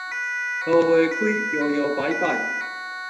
桃花開搖搖擺擺